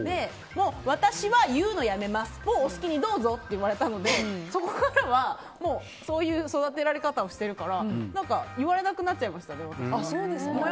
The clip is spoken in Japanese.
私は、言うのやめますお好きにどうぞって言われたのでそこからはそういう育て方をされているから言われなくなっちゃいました私は。